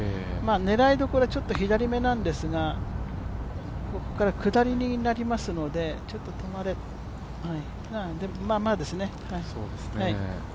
狙いどころはちょっと左めなんですが、ここから下りになりますのでちょっと止まれまあまあですね。